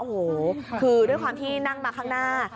โอ้โหคือด้วยความที่นั่งมาข้างหน้า